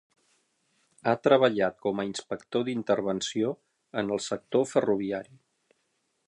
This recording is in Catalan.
Ha treballat com a inspector d'intervenció en el sector ferroviari.